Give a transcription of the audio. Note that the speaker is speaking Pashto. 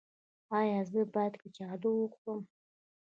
ایا زه باید کچالو وخورم؟